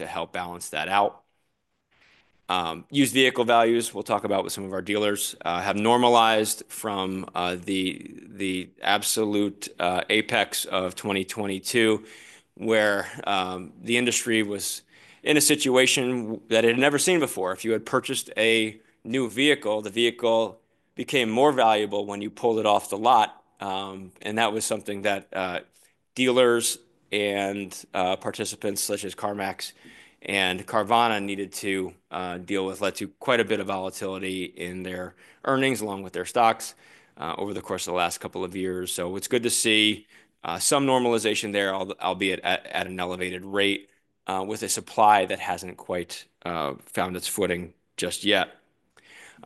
To help balance that out. Used vehicle values, we'll talk about with some of our dealers, have normalized from the absolute apex of 2022, where the industry was in a situation that it had never seen before. If you had purchased a new vehicle, the vehicle became more valuable when you pulled it off the lot, and that was something that dealers and participants such as CarMax and Carvana needed to deal with. It led to quite a bit of volatility in their earnings along with their stocks over the course of the last couple of years. So it's good to see some normalization there, albeit at an elevated rate, with a supply that hasn't quite found its footing just yet.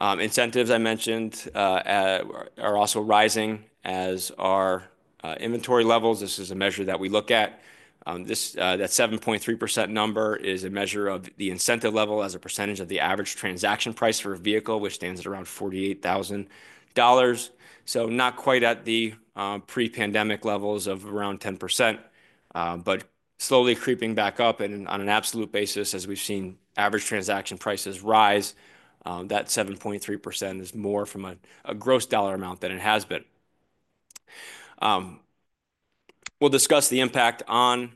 Incentives I mentioned are also rising, as are inventory levels. This is a measure that we look at. That 7.3% number is a measure of the incentive level as a percentage of the average transaction price for a vehicle, which stands at around $48,000, so not quite at the pre-pandemic levels of around 10%, but slowly creeping back up, and on an absolute basis, as we've seen average transaction prices rise, that 7.3% is more from a gross dollar amount than it has been. We'll discuss the impact on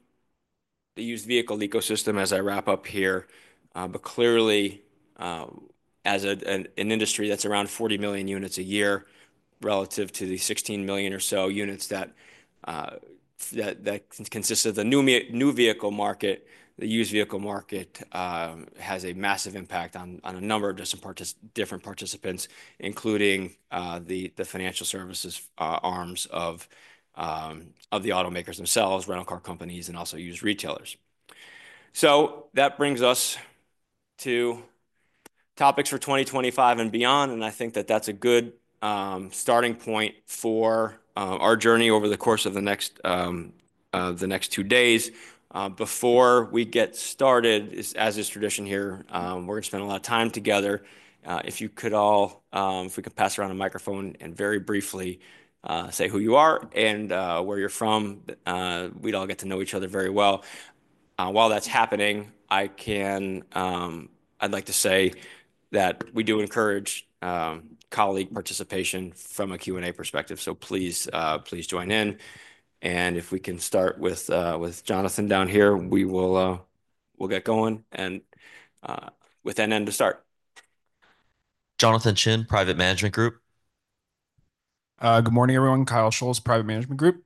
the used vehicle ecosystem as I wrap up here, but clearly, as an industry that's around 40 million units a year, relative to the 16 million or so units that consist of the new vehicle market, the used vehicle market has a massive impact on a number of different participants, including the financial services arms of the automakers themselves, rental car companies, and also used retailers, so that brings us to topics for 2025 and beyond. I think that that's a good starting point for our journey over the course of the next two days. Before we get started, as is tradition here, we're going to spend a lot of time together. If you could all, if we could pass around a microphone and very briefly say who you are and where you're from, we'd all get to know each other very well. While that's happening, I'd like to say that we do encourage colleague participation from a Q&A perspective. So please join in. And if we can start with Jonathan down here, we'll get going with NN to start. Jonathan Chin, Private Management Group. Good morning, everyone. Kyle Schulz, Private Management Group.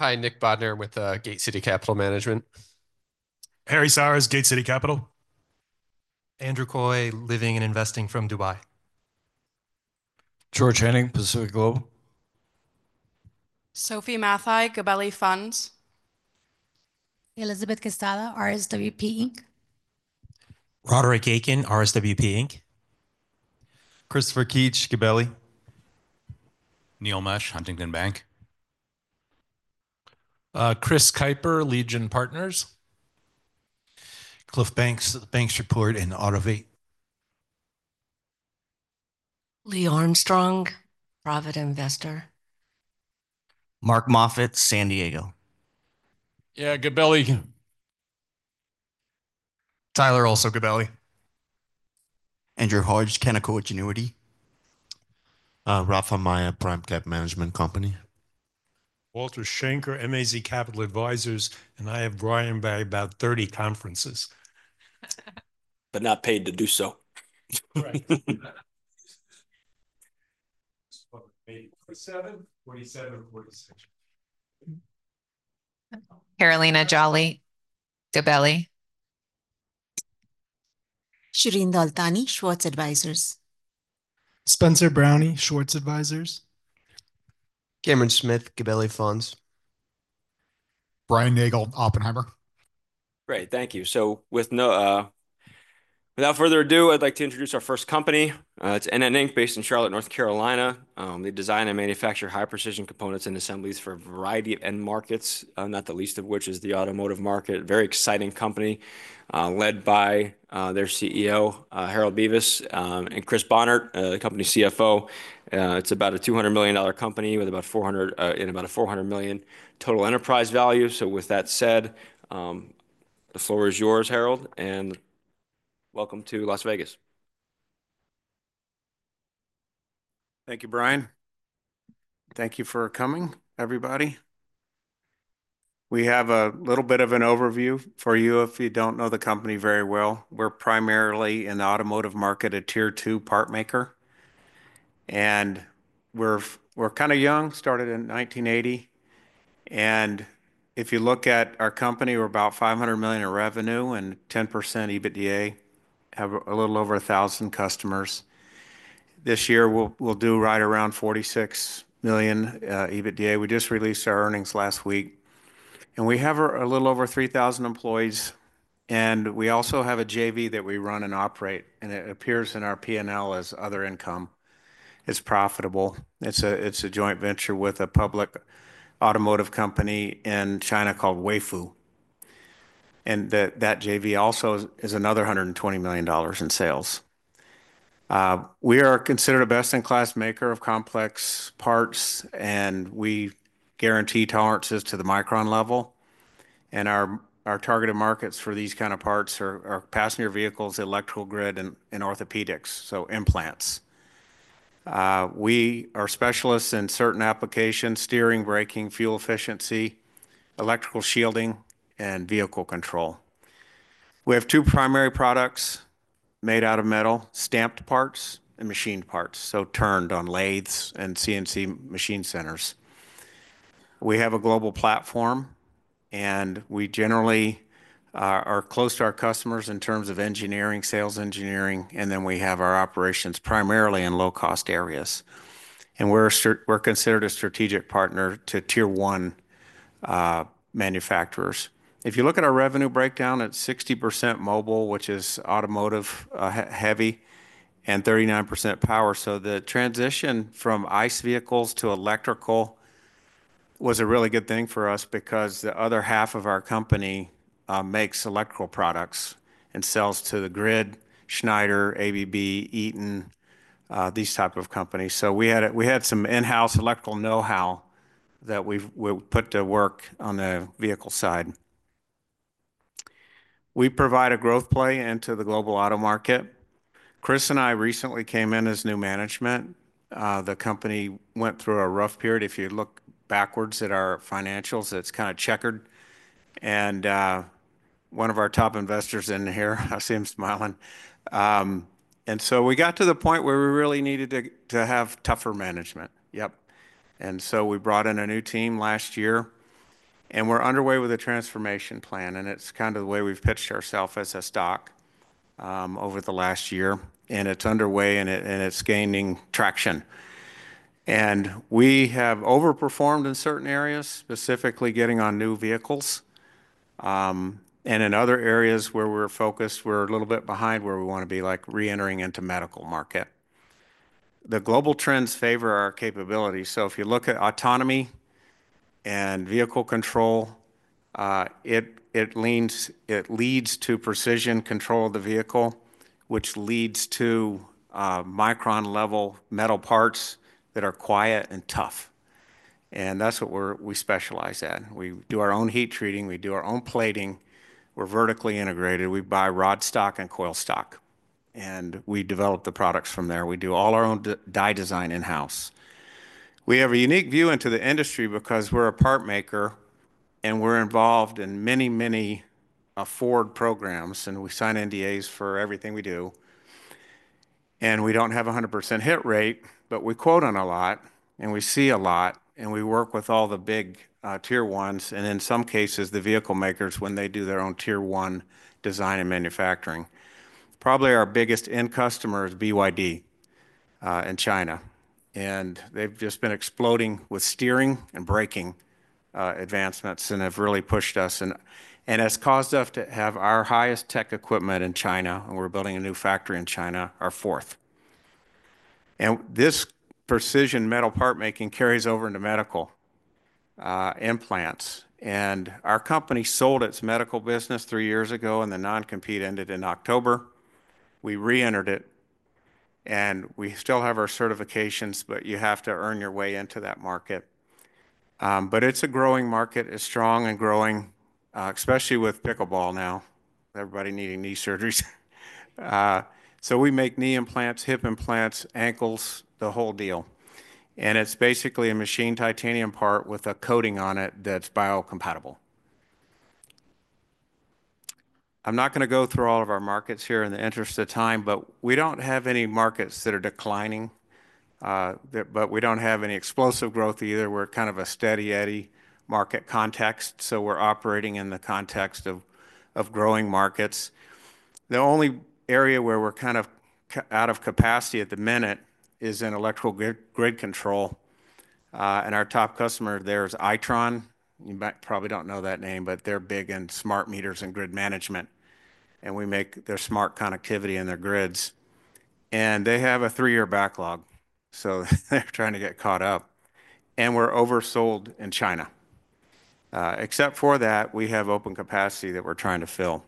Hi, Nick Bodnar with Gate City Capital Management. Harry Sauers, Gate City Capital. Andrew Coye, Living and Investing from Dubai. George Henning, Pacific Global. Sophie Matthei, Gabelli Funds. Elizabeth Castaneda, RSWP Inc. Roderick Aiken, RSWP Inc. Kristopher Keach, Gabelli. Neil Mesch, Huntington Bank. Chris Kiper, Legion Partners. Cliff Banks, The Banks Report and Autovate. Lee Armstrong, Private Investor. Mark Moffett, San Diego. Yeah, Gabelli. Tyler, also Gabelli. Andrew Hodge, Canaccord Genuity. Rafa Maia, PRIMECAP Management Company. Walter Schenker, MAZ Capital Advisors. And I have Brian Barry, about 30 conferences. But not paid to do so. Right. Carolina Jolly, Gabelli. Shireen Doultani, Schwartz Advisors. Spencer Brown, Schwartz Advisors. Cameron Smith, Gabelli Funds. Brian Nagel, Oppenheimer. Great. Thank you. So without further ado, I'd like to introduce our first company. It's NN Inc., based in Charlotte, North Carolina. They design and manufacture high-precision components and assemblies for a variety of end markets, not the least of which is the automotive market. Very exciting company led by their CEO, Harold Bevis, and Chris Bohnert, the company's CFO. It's about a $200 million company with about 400 in about a $400 million total enterprise value. So with that said, the floor is yours, Harold, and welcome to Las Vegas. Thank you, Brian. Thank you for coming, everybody. We have a little bit of an overview for you if you don't know the company very well. We're primarily in the automotive market, a Tier 2 part maker, and we're kind of young, started in 1980, and if you look at our company, we're about $500 million in revenue and 10% EBITDA, have a little over 1,000 customers. This year, we'll do right around $46 million EBITDA. We just released our earnings last week, and we have a little over 3,000 employees, and we also have a JV that we run and operate, and it appears in our P&L as other income. It's profitable. It's a joint venture with a public automotive company in China called Weifu, and that JV also is another $120 million in sales. We are considered a best-in-class maker of complex parts, and we guarantee tolerances to the micron level, and our targeted markets for these kinds of parts are passenger vehicles, electrical grid, and orthopedics, so implants. We are specialists in certain applications, steering, braking, fuel efficiency, electrical shielding, and vehicle control. We have two primary products made out of metal, stamped parts and machined parts, so turned on lathes and CNC machine centers. We have a global platform, and we generally are close to our customers in terms of engineering, sales engineering, and then we have our operations primarily in low-cost areas, and we're considered a strategic partner to Tier 1 manufacturers. If you look at our revenue breakdown, it's 60% mobile, which is automotive heavy, and 39% power. So the transition from ICE vehicles to electrical was a really good thing for us because the other half of our company makes electrical products and sells to the grid, Schneider, ABB, Eaton, these types of companies. So we had some in-house electrical know-how that we put to work on the vehicle side. We provide a growth play into the global auto market. Chris and I recently came in as new management. The company went through a rough period. If you look backwards at our financials, it's kind of checkered and one of our top investors in here, I see him smiling. And so we got to the point where we really needed to have tougher management. Yep. And so we brought in a new team last year. And we're underway with a transformation plan. And it's kind of the way we've pitched ourselves as a stock over the last year. And it's underway, and it's gaining traction. And we have overperformed in certain areas, specifically getting on new vehicles. And in other areas where we're focused, we're a little bit behind where we want to be re-entering into the medical market. The global trends favor our capability. So if you look at autonomy and vehicle control, it leads to precision control of the vehicle, which leads to micron-level metal parts that are quiet and tough. And that's what we specialize in. We do our own heat treating. We do our own plating. We're vertically integrated. We buy rod stock and coil stock. And we develop the products from there. We do all our own die design in-house. We have a unique view into the industry because we're a part maker and we're involved in many, many Ford programs. And we sign NDAs for everything we do. And we don't have a 100% hit rate, but we quote on a lot and we see a lot. And we work with all the big Tier 1 and, in some cases, the vehicle makers when they do their own Tier 1 design and manufacturing. Probably our biggest end customer is BYD in China. And they've just been exploding with steering and braking advancements and have really pushed us. And it's caused us to have our highest tech equipment in China. And we're building a new factory in China, our fourth. And this precision metal part making carries over into medical implants. And our company sold its medical business three years ago and the non-compete ended in October. We re-entered it. And we still have our certifications, but you have to earn your way into that market. But it's a growing market, is strong and growing, especially with pickleball now, everybody needing knee surgeries. So we make knee implants, hip implants, ankles, the whole deal. And it's basically a machined titanium part with a coating on it that's biocompatible. I'm not going to go through all of our markets here in the interest of time, but we don't have any markets that are declining. But we don't have any explosive growth either. We're kind of a steady-eddy market context. So we're operating in the context of growing markets. The only area where we're kind of out of capacity at the minute is in electrical grid control. And our top customer there is Itron. You probably don't know that name, but they're big in smart meters and grid management. We make their smart connectivity in their grids. They have a three-year backlog. They're trying to get caught up. We're oversold in China. Except for that, we have open capacity that we're trying to fill.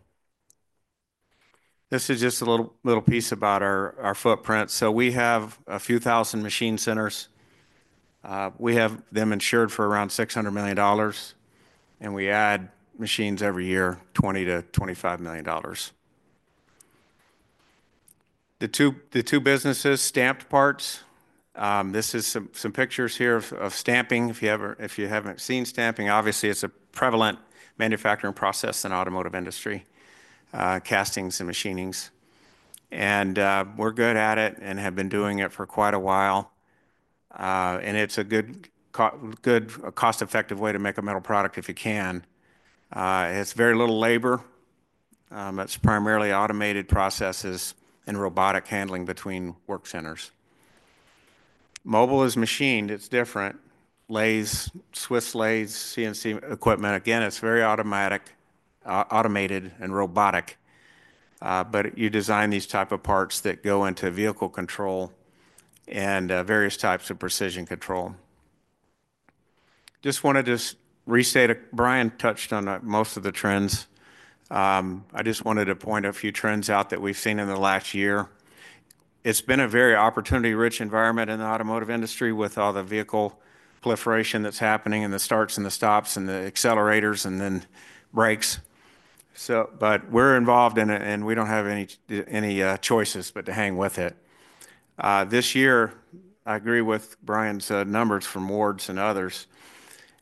This is just a little piece about our footprint. We have a few thousand machine centers. We have them insured for around $600 million. We add machines every year, $20 million-$25 million. The two businesses, stamped parts, this is some pictures here of stamping. If you haven't seen stamping, obviously, it's a prevalent manufacturing process in the automotive industry, castings and machining. We're good at it and have been doing it for quite a while. It's a good cost-effective way to make a metal product if you can. It's very little labor. It's primarily automated processes and robotic handling between work centers. Mobile is machined. It's different. Lathes, Swiss lathes, CNC equipment. Again, it's very automatic, automated, and robotic. But you design these types of parts that go into vehicle control and various types of precision control. Just wanted to restate, Brian touched on most of the trends. I just wanted to point a few trends out that we've seen in the last year. It's been a very opportunity-rich environment in the automotive industry with all the vehicle proliferation that's happening and the starts and the stops and the accelerators and then brakes. But we're involved in it, and we don't have any choices but to hang with it. This year, I agree with Brian's numbers from Ward's and others.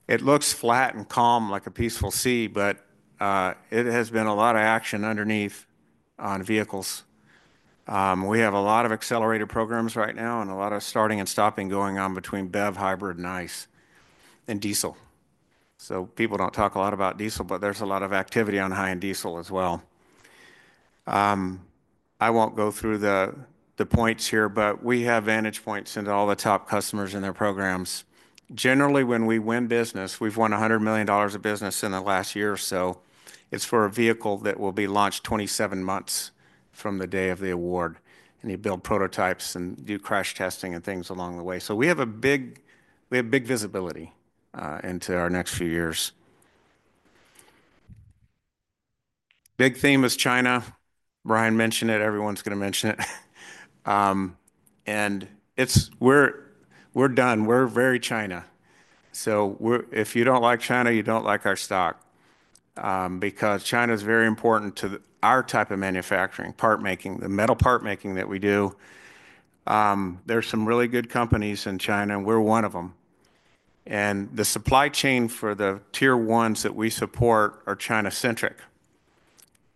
It looks flat and calm, like a peaceful sea, but it has been a lot of action underneath on vehicles. We have a lot of accelerator programs right now and a lot of starting and stopping going on between BEV, hybrid, and ICE, and diesel. So people don't talk a lot about diesel, but there's a lot of activity on high-end diesel as well. I won't go through the points here, but we have vantage points into all the top customers and their programs. Generally, when we win business, we've won $100 million of business in the last year or so. It's for a vehicle that will be launched 27 months from the day of the award. And you build prototypes and do crash testing and things along the way. So we have a big visibility into our next few years. Big theme is China. Brian mentioned it. Everyone's going to mention it. And we're done. We're very China. So if you don't like China, you don't like our stock. Because China is very important to our type of manufacturing, part making, the metal part making that we do. There's some really good companies in China, and we're one of them. And the supply chain for the Tier 1 that we support are China-centric.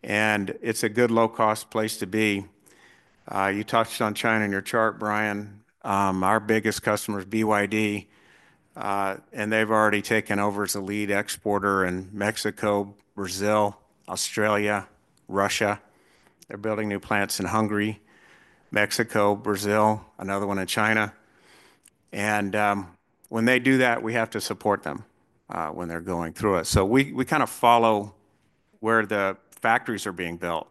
And it's a good low-cost place to be. You touched on China in your chart, Brian. Our biggest customer is BYD. And they've already taken over as a lead exporter in Mexico, Brazil, Australia, Russia. They're building new plants in Hungary, Mexico, Brazil, another one in China. And when they do that, we have to support them when they're going through it. So we kind of follow where the factories are being built.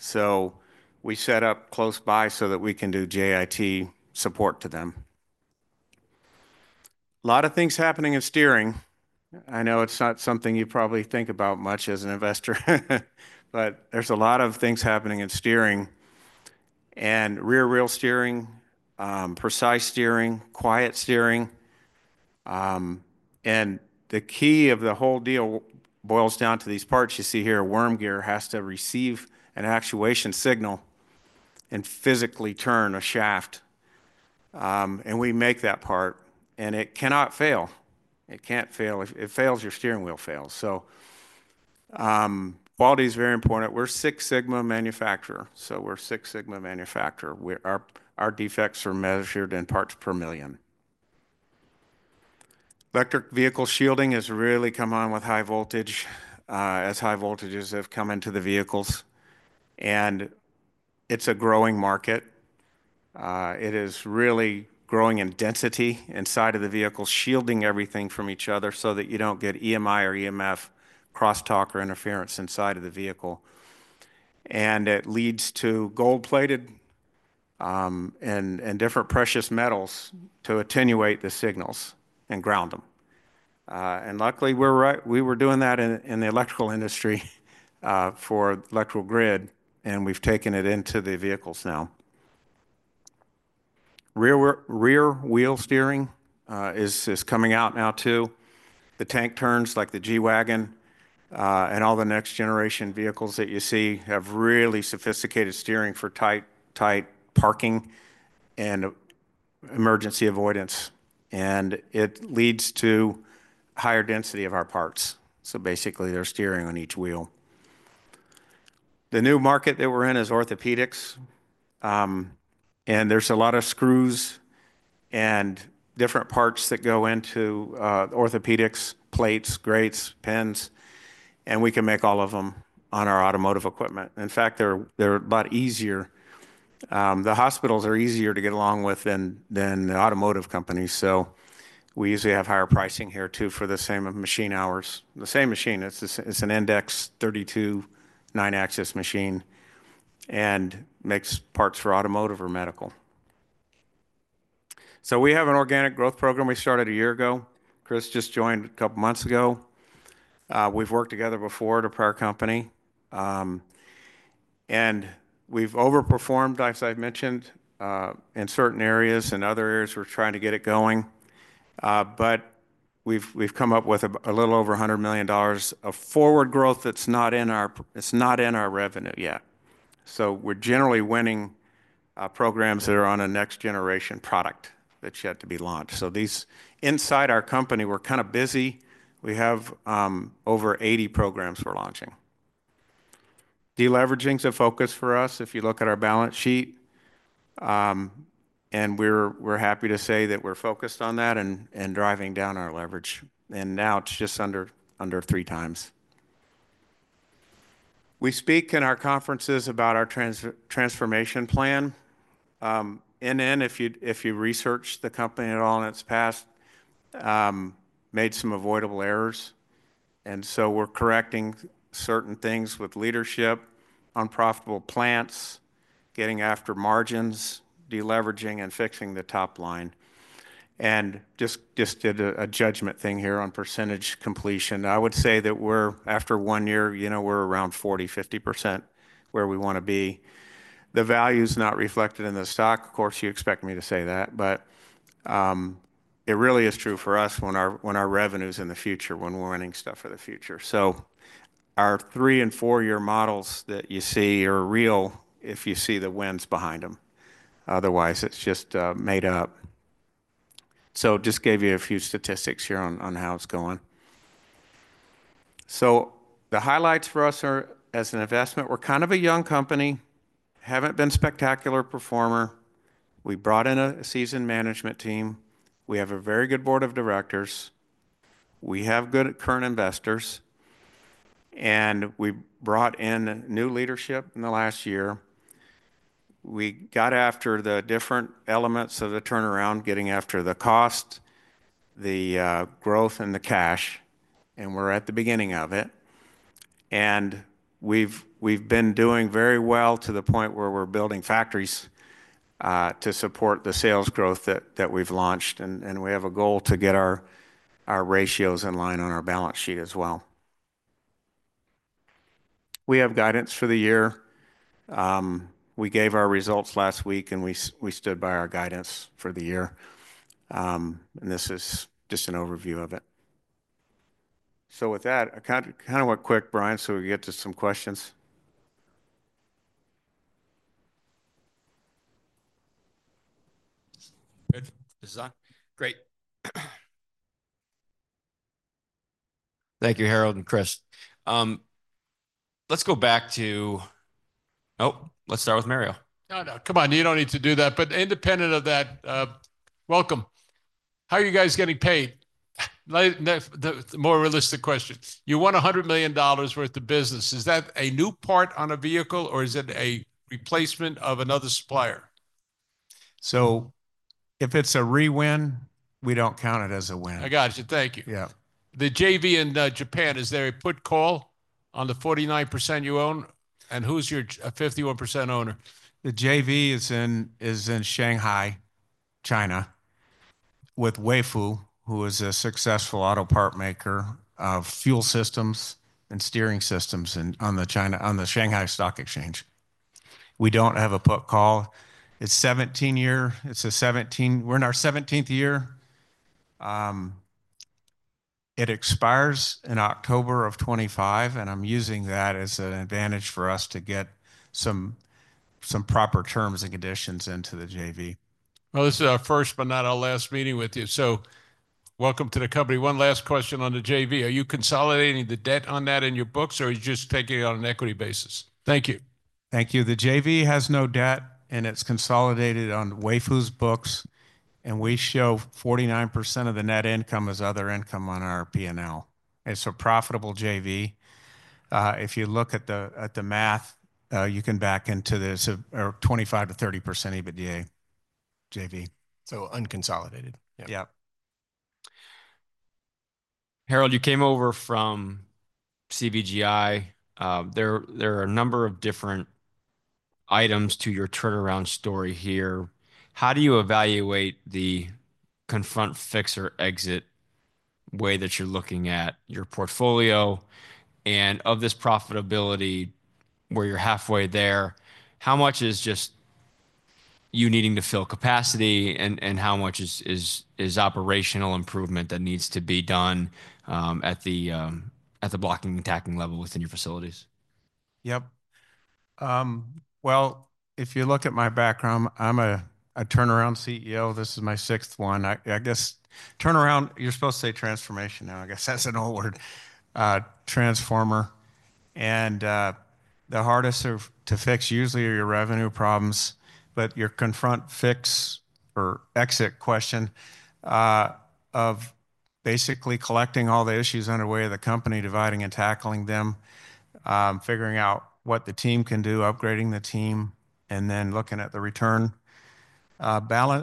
So we set up close by so that we can do JIT support to them. A lot of things happening in steering. I know it's not something you probably think about much as an investor, but there's a lot of things happening in steering, rear wheel steering, precise steering, quiet steering. The key of the whole deal boils down to these parts you see here. Worm gear has to receive an actuation signal and physically turn a shaft. We make that part. It cannot fail. It can't fail. If it fails, your steering wheel fails. Quality is very important. We're a Six Sigma manufacturer. So we're a Six Sigma manufacturer. Our defects are measured in parts per million. Electric vehicle shielding has really come on with high voltage, as high voltages have come into the vehicles. It's a growing market. It is really growing in density inside of the vehicle, shielding everything from each other so that you don't get EMI or EMF cross-talk or interference inside of the vehicle. And it leads to gold-plated and different precious metals to attenuate the signals and ground them. And luckily, we were doing that in the electrical industry for electrical grid, and we've taken it into the vehicles now. Rear wheel steering is coming out now too. The tank turns like the G-Wagon. And all the next-generation vehicles that you see have really sophisticated steering for tight parking and emergency avoidance. And it leads to higher density of our parts. So basically, they're steering on each wheel. The new market that we're in is orthopedics. And there's a lot of screws and different parts that go into orthopedics, plates, grates, pins. And we can make all of them on our automotive equipment. In fact, they're a lot easier. The hospitals are easier to get along with than the automotive companies, so we usually have higher pricing here too for the same machine hours. The same machine. It's an Index 32 nine-axis machine and makes parts for automotive or medical. So we have an organic growth program we started a year ago. Chris just joined a couple of months ago. We've worked together before to prior company, and we've overperformed, as I've mentioned, in certain areas and other areas we're trying to get it going, but we've come up with a little over $100 million of forward growth that's not in our revenue yet. So we're generally winning programs that are on a next-generation product that's yet to be launched. So inside our company, we're kind of busy. We have over 80 programs we're launching. Deleveraging is a focus for us if you look at our balance sheet, and we're happy to say that we're focused on that and driving down our leverage, and now it's just under three times. We speak in our conferences about our transformation plan. NN, if you research the company at all in its past, made some avoidable errors, and so we're correcting certain things with leadership, unprofitable plants, getting after margins, deleveraging, and fixing the top line. And just did a judgment thing here on percentage completion. I would say that after one year, we're around 40%-50% where we want to be. The value is not reflected in the stock. Of course, you expect me to say that, but it really is true for us when our revenue is in the future, when we're running stuff for the future. Our three- and four-year models that you see are real if you see the wins behind them. Otherwise, it's just made up. Just gave you a few statistics here on how it's going. The highlights for us as an investment, we're kind of a young company, haven't been a spectacular performer. We brought in a seasoned management team. We have a very good board of directors. We have good current investors. We brought in new leadership in the last year. We got after the different elements of the turnaround, getting after the cost, the growth, and the cash. We're at the beginning of it. We've been doing very well to the point where we're building factories to support the sales growth that we've launched. We have a goal to get our ratios in line on our balance sheet as well. We have guidance for the year. We gave our results last week, and we stood by our guidance for the year. This is just an overview of it. With that, I kind of went quick, Brian, so we can get to some questions. Great. Thank you, Harold and Chris. Let's go back to, oh, let's start with Mario. No, no. Come on. You don't need to do that. Independent of that, welcome. How are you guys getting paid? The more realistic question. You won $100 million worth of business. Is that a new part on a vehicle, or is it a replacement of another supplier? If it's a rewin, we don't count it as a win. I got you. Thank you. Yeah. The JV in Japan, is there a put call on the 49% you own? Who's your 51% owner? The JV is in Shanghai, China, with Weifu, who is a successful auto part maker of fuel systems and steering systems on the Shanghai Stock Exchange. We don't have a put call. It's a 17-year. We're in our 17th year. It expires in October of 2025. And I'm using that as an advantage for us to get some proper terms and conditions into the JV. Well, this is our first, but not our last meeting with you. So welcome to the company. One last question on the JV. Are you consolidating the debt on that in your books, or are you just taking it on an equity basis? Thank you. Thank you. The JV has no debt, and it's consolidated on Weifu's books. And we show 49% of the net income as other income on our P&L. It's a profitable JV. If you look at the math, you can back into this 25%-30% EBITDA JV. So unconsolidated. Yeah. Harold, you came over from CVGI. There are a number of different items to your turnaround story here. How do you evaluate the confront, fix, or exit way that you're looking at your portfolio? And of this profitability, where you're halfway there, how much is just you needing to fill capacity, and how much is operational improvement that needs to be done at the blocking and tackling level within your facilities? Yep. Well, if you look at my background, I'm a turnaround CEO. This is my sixth one. I guess turnaround, you're supposed to say transformation now, I guess that's an old word, transformer. And the hardest to fix usually are your revenue problems. But your confront, fix, or exit question of basically collecting all the issues underway of the company, dividing and tackling them, figuring out what the team can do, upgrading the team, and then looking at the return.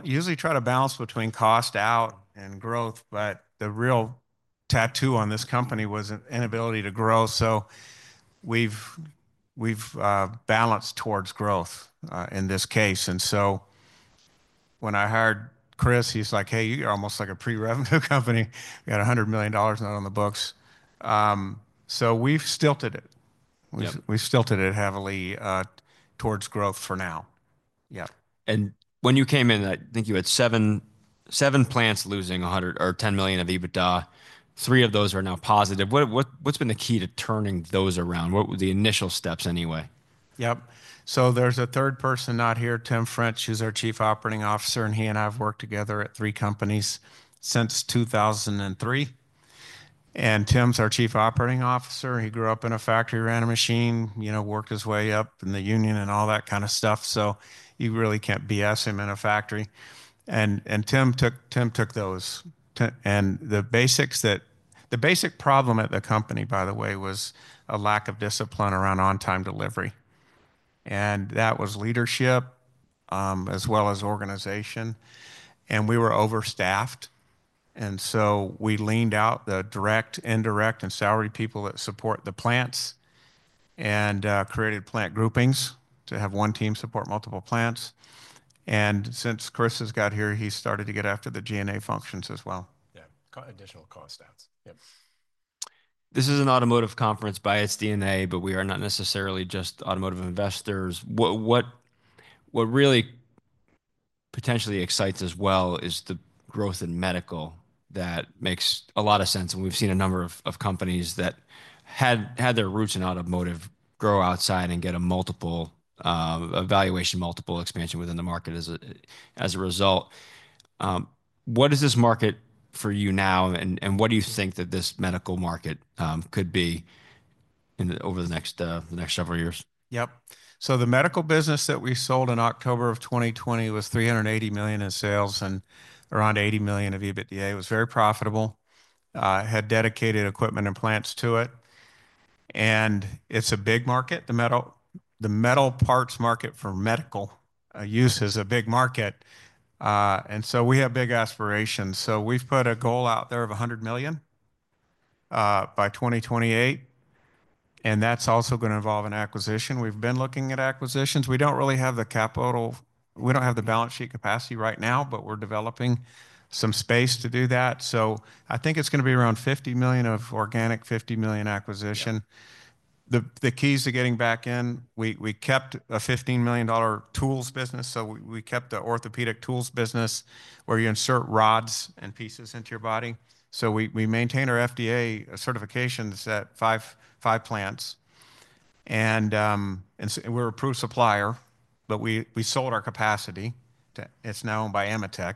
Usually try to balance between cost out and growth. But the real tattoo on this company was an inability to grow. So we've balanced towards growth in this case. And so when I hired Chris, he's like, hey, you're almost like a pre-revenue company. We got $100 million out on the books. So we've tilted it. We've tilted it heavily towards growth for now. Yeah. And when you came in, I think you had seven plants losing $10 million of EBITDA. Three of those are now positive. What's been the key to turning those around? What were the initial steps anyway? Yep. So there's a third person not here, Tim French. He's our Chief Operating Officer. And he and I have worked together at three companies since 2003. And Tim's our Chief Operating Officer. He grew up in a factory, ran a machine, worked his way up in the union and all that kind of stuff. So you really can't BS him in a factory. And Tim took those. And the basic problem at the company, by the way, was a lack of discipline around on-time delivery. And that was leadership as well as organization. And we were overstaffed. And so we leaned out the direct, indirect, and salaried people that support the plants and created plant groupings to have one team support multiple plants. And since Chris has got here, he started to get after the G&A functions as well. Yeah. Additional cost outs. Yep. This is an automotive conference by its DNA, but we are not necessarily just automotive investors. What really potentially excites us as well is the growth in medical that makes a lot of sense, and we've seen a number of companies that had their roots in automotive grow outside and get a multiple revaluation, multiple expansion within the market as a result. What is this market for you now, and what do you think that this medical market could be over the next several years? Yep. So the medical business that we sold in October of 2020 was $380 million in sales and around $80 million of EBITDA. It was very profitable. It had dedicated equipment and plants to it, and it's a big market. The metal parts market for medical use is a big market, and so we have big aspirations. So we've put a goal out there of $100 million by 2028, and that's also going to involve an acquisition. We've been looking at acquisitions. We don't really have the capital. We don't have the balance sheet capacity right now, but we're developing some space to do that, so I think it's going to be around $50 million of organic, $50 million acquisition. The keys to getting back in, we kept a $15 million tools business. So we kept the orthopedic tools business where you insert rods and pieces into your body, so we maintain our FDA certifications at five plants, and we're a proven supplier, but we sold our capacity. It's now owned by AMETEK,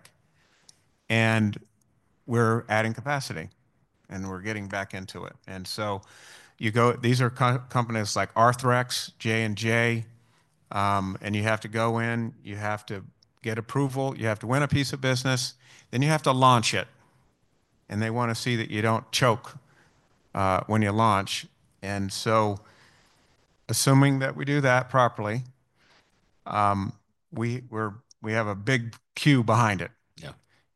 and we're adding capacity, and we're getting back into it, and so these are companies like Arthrex, J&J. And you have to go in. You have to get approval. You have to win a piece of business. Then you have to launch it. And they want to see that you don't choke when you launch. And so assuming that we do that properly, we have a big queue behind it.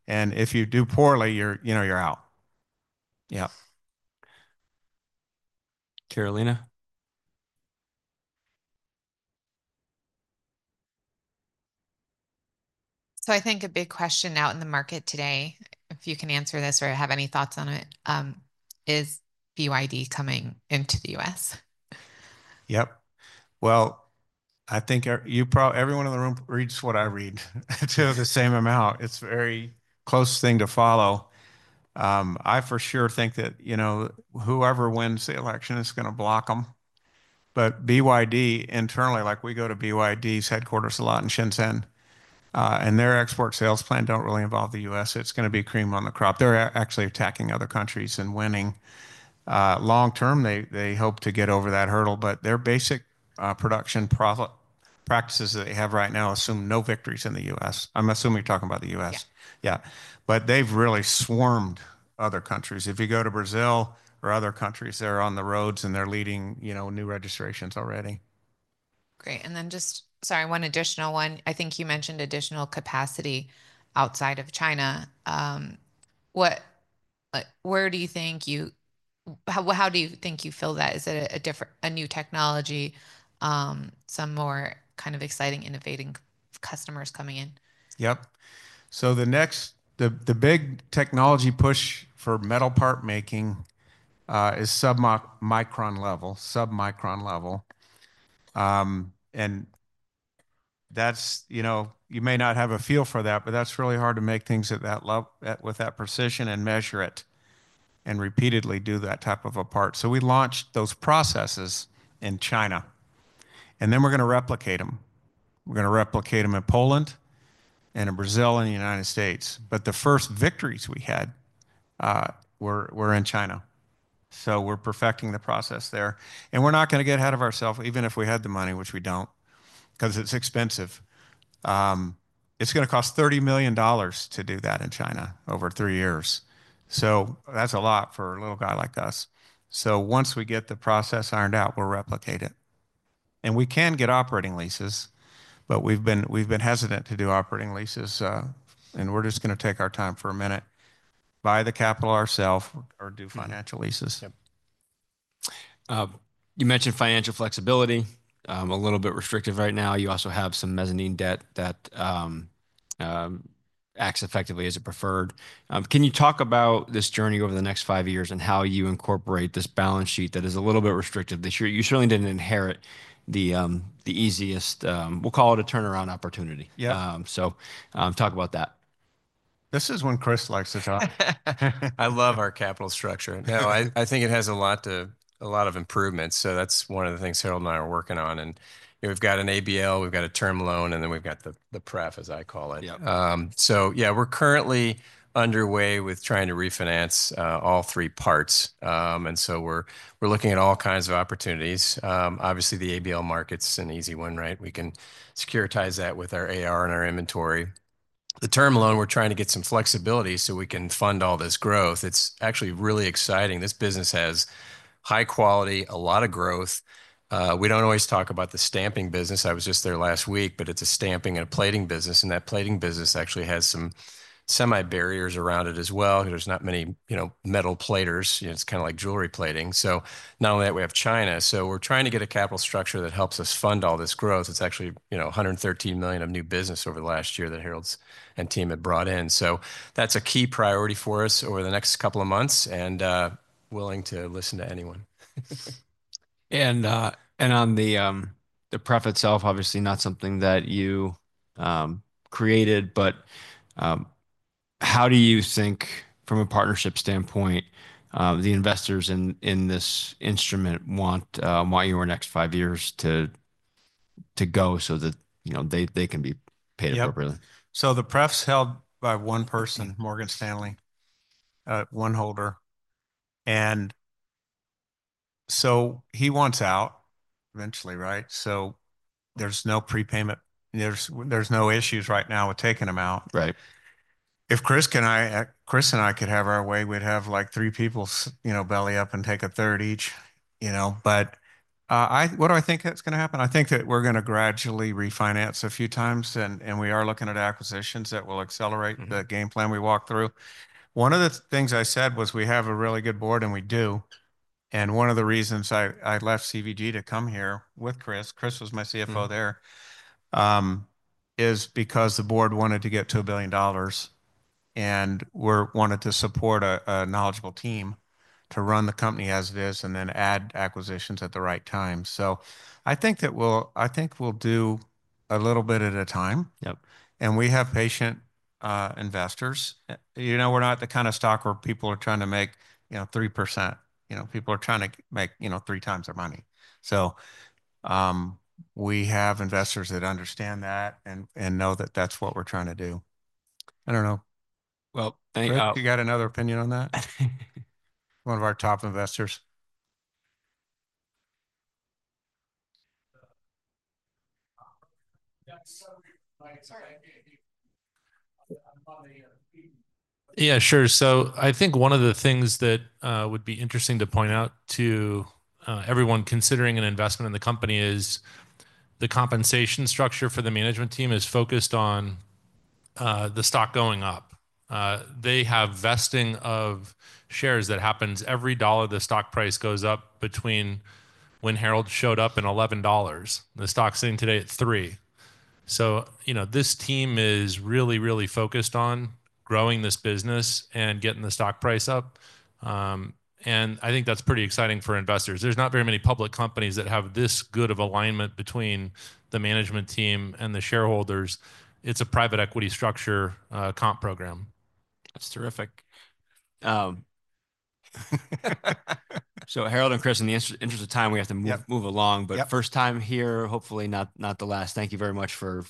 And if you do poorly, you're out. Yeah. Carolina? So I think a big question out in the market today, if you can answer this or have any thoughts on it, is BYD coming into the U.S.? Yep. Well, I think everyone in the room reads what I read to the same amount. It's a very close thing to follow. I for sure think that whoever wins the election is going to block them. But BYD internally, we go to BYD's headquarters a lot in Shenzhen. And their export sales plan don't really involve the U.S. It's going to be cream of the crop. They're actually attacking other countries and winning. Long term, they hope to get over that hurdle. But their basic production practices that they have right now assume no victories in the U.S. I'm assuming you're talking about the U.S. Yeah. But they've really swarmed other countries. If you go to Brazil or other countries, they're on the roads and they're leading new registrations already. Great. And then just, sorry, one additional one. I think you mentioned additional capacity outside of China. Where do you think you, how do you think you fill that? Is it a new technology, some more kind of exciting, innovating customers coming in? Yep. So the big technology push for metal part making is sub-micron level, sub-micron level. You may not have a feel for that, but that's really hard to make things at that level with that precision and measure it and repeatedly do that type of a part. So we launched those processes in China. Then we're going to replicate them. We're going to replicate them in Poland and in Brazil and the United States. But the first victories we had were in China. So we're perfecting the process there. We're not going to get ahead of ourselves, even if we had the money, which we don't, because it's expensive. It's going to cost $30 million to do that in China over three years. So that's a lot for a little guy like us. So once we get the process ironed out, we'll replicate it. We can get operating leases, but we've been hesitant to do operating leases. We're just going to take our time for a minute, buy the capital ourselves, or do financial leases. You mentioned financial flexibility, a little bit restrictive right now. You also have some mezzanine debt that acts effectively as a preferred. Can you talk about this journey over the next five years and how you incorporate this balance sheet that is a little bit restrictive this year? You certainly didn't inherit the easiest. We'll call it a turnaround opportunity. So talk about that. This is when Chris likes to talk. I love our capital structure. No, I think it has a lot of improvements. So that's one of the things Harold and I are working on. And we've got an ABL, we've got a term loan, and then we've got the pref, as I call it. So yeah, we're currently underway with trying to refinance all three parts. We're looking at all kinds of opportunities. Obviously, the ABL market's an easy one, right? We can securitize that with our AR and our inventory. The term loan, we're trying to get some flexibility so we can fund all this growth. It's actually really exciting. This business has high quality, a lot of growth. We don't always talk about the stamping business. I was just there last week, but it's a stamping and a plating business. And that plating business actually has some semi-barriers around it as well. There's not many metal platers. It's kind of like jewelry plating. So not only that, we have China. So we're trying to get a capital structure that helps us fund all this growth. It's actually $113 million of new business over the last year that Harold's and team have brought in. So that's a key priority for us over the next couple of months and willing to listen to anyone. And on the pref itself, obviously not something that you created, but how do you think, from a partnership standpoint, the investors in this instrument want your next five years to go so that they can be paid appropriately? So the pref's held by one person, Morgan Stanley, one holder. And so he wants out eventually, right? So there's no pre-payment. There's no issues right now with taking them out. If Chris and I could have our way, we'd have like three people belly up and take a third each. But what do I think that's going to happen? I think that we're going to gradually refinance a few times. And we are looking at acquisitions that will accelerate the game plan we walk through. One of the things I said was we have a really good board, and we do. One of the reasons I left CVG to come here with Chris, Chris was my CFO there, is because the board wanted to get to $1 billion and wanted to support a knowledgeable team to run the company as it is and then add acquisitions at the right time. So I think that we'll do a little bit at a time. We have patient investors. We're not the kind of stock where people are trying to make 3%. People are trying to make three times their money. We have investors that understand that and know that that's what we're trying to do. I don't know. You got another opinion on that? One of our top investors. Yeah, sure. So I think one of the things that would be interesting to point out to everyone considering an investment in the company is the compensation structure for the management team is focused on the stock going up. They have vesting of shares that happens every dollar the stock price goes up between when Harold showed up at $11. The stock's sitting today at $3. So this team is really, really focused on growing this business and getting the stock price up. And I think that's pretty exciting for investors. There's not very many public companies that have this good of alignment between the management team and the shareholders. It's a private equity structure comp program. That's terrific. So Harold and Chris, in the interest of time, we have to move along. But first time here, hopefully not the last. Thank you very much for.